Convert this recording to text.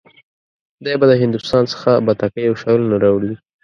دی به د هندوستان څخه بتکۍ او شالونه راوړي.